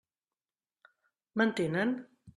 M'entenen?